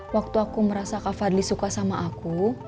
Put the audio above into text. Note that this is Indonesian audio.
waktu aku merasa kak fadli suka sama aku